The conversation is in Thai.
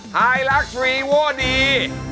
ไทลักษณ์รีว่อดี